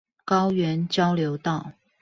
高原交流道